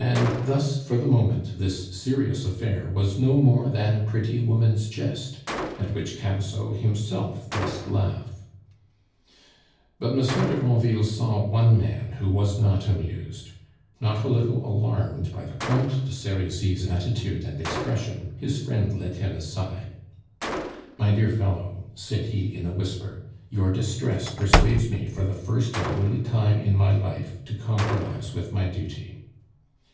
And thus for the moment this serious affair was no more than a pretty woman's jest, at which Camusot himself must laugh. But Monsieur de Granville saw one man who was not amused. Not a little alarmed by the Comte de Serizy's attitude and expression, his friend led him aside. "My dear fellow," said he in a whisper, "your distress persuades me for the first and only time in my life to compromise with my duty."